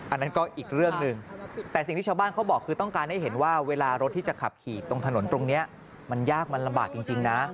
อันนั้นก็อีกเรื่องหนึ่งแต่สิ่งที่ชาวบ้านเขาบอกคือต้องการให้เห็นว่าเวลารถที่จะขับขี่ตรงถนนตรงนี้มันยากมันลำบากจริงนะ